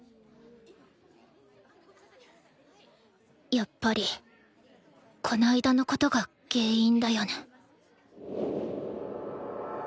やっぱりこの間のことが原因だよね